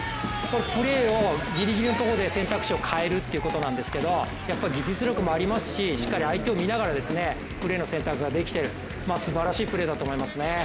プレーをギリギリのとこで選択肢を変えるということなんですけど、技術力もありますししっかり相手を見ながらプレーの選択ができているすばらしいプレーだと思いますね。